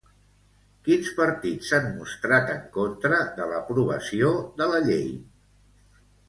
Quins partits s'han mostrat en contra de l'aprovació de la llei?